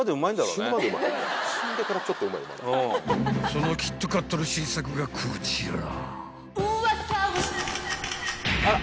［そのキットカットの新作がこちら］